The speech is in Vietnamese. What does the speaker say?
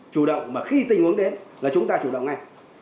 chủ động mà khi tình huống đến là chúng ta chủ động ngay